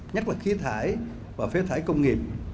nhất là khí thải và phế thải công nghiệp